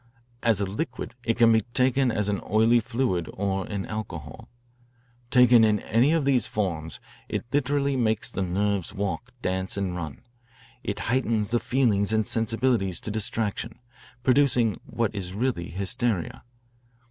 As a liquid it can be taken as an oily fluid or in alcohol. Taken in any of these forms, it literally makes the nerves walk, dance, and run. It heightens the feelings and sensibilities to distraction, producing what is really hysteria.